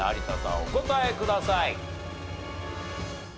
お答えください。